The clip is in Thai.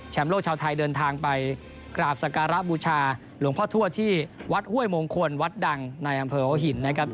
โลกชาวไทยเดินทางไปกราบสการะบูชาหลวงพ่อทั่วที่วัดห้วยมงคลวัดดังในอำเภอหัวหินนะครับ